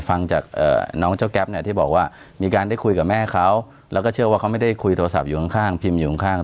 ฟังจากน้องเจ้าแก๊ปเนี่ยที่บอกว่ามีการได้คุยกับแม่เขาแล้วก็เชื่อว่าเขาไม่ได้คุยโทรศัพท์อยู่ข้างพิมพ์อยู่ข้าง